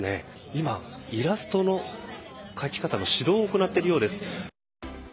今、イラストの描き方の指導を行っているようです。